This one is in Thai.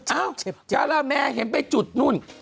เอ้าจำล่ะแม่เห็นไปจุดนู้น